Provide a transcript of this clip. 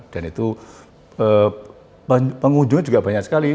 dan itu pengunjungnya juga banyak sekali